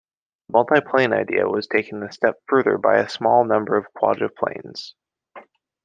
The multiplane idea was taken a step further by a small number of quadruplanes.